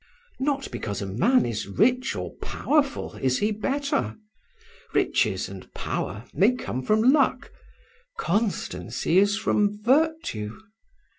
Not because a man is rich or powerful is he better: riches and power may come from luck, constancy is from virtue.